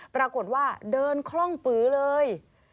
ปรากฏว่าเดินคล่องปือเลย